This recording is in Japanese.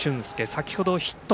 先ほどヒット。